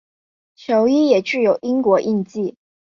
球衣也具有英国印记。